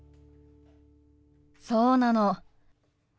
そうなの。